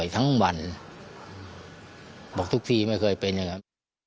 ทั้งวันบอกทุกทีไม่เคยเป็นอย่างนั้น